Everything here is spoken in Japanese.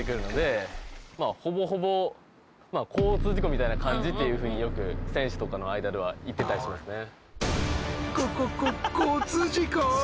みたいな感じっていうふうによく選手とかの間では言ってたりしますね。